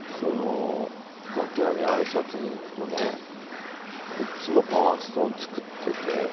楽屋にあいさつに行くとねいつもパワーストーンを作ってて。